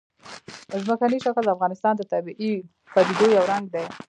ځمکنی شکل د افغانستان د طبیعي پدیدو یو رنګ دی.